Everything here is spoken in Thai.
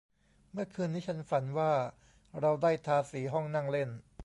เมื่อคืนนี้ฉันฝันว่าเราได้ทาสีห้องนั่งเล่น